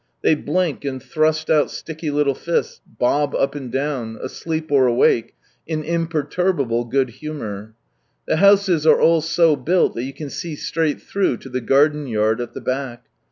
They blink and thrust out sticky little fists, bob up and down, asleep or awake, in imperturbable good humour. The houses are all so built that you can see straight through to the garden yard at the back.